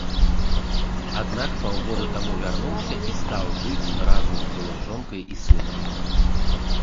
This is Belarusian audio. Аднак паўгода таму вярнуўся і стаць жыць разам з былой жонкай і сынам.